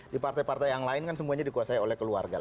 di partai partai yang lain kan semuanya dikuasai oleh keluarga